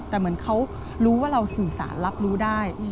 แต่เหมือนเขารู้ว่าเราสื่อสารรับรู้ได้